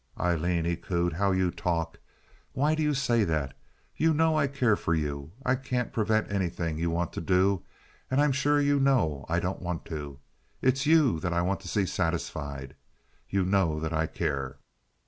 "Aileen," he cooed, "how you talk! Why do you say that? You know I care for you. I can't prevent anything you want to do, and I'm sure you know I don't want to. It's you that I want to see satisfied. You know that I care."